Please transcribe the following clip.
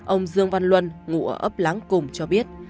ông dương văn luân ngụ ở ấp láng cùng cho biết